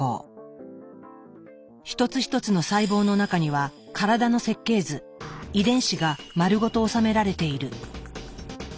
一つ一つの細胞の中には体の設計図「遺伝子」が丸ごと収められている。